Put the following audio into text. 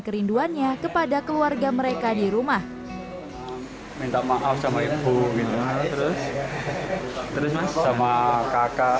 kerinduannya kepada keluarga mereka di rumah minta maaf sama ibu minta terus terus sama kakak